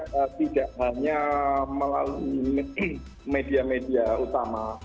kontrol dari masyarakat tidak hanya melalui media media utama